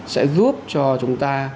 sẽ giúp cho chúng ta